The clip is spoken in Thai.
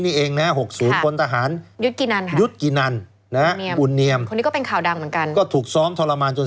เมษาปีนี้นี่เองหกศูนย์พลตหาร